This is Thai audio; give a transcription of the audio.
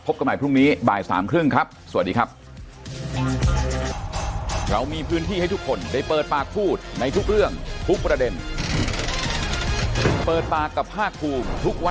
ทุกผู้ชมครับวันนี้หมดเวลาของเปิดปากกับภาคคลุมนะครับ